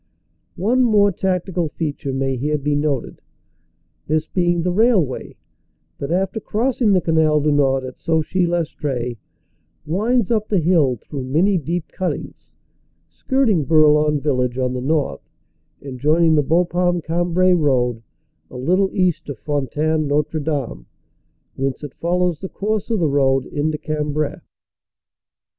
One more tactical feature may here be noted, this being the railway that after crossing the Canal du Nord at Sauchy Lestree, winds up the hill through many deep cuttings, skirting Bourlon village on the north and joining the Bapaume Cambrai road a little east of Fontaine Notre Dame, whence it follows the course of the road into Cambrai.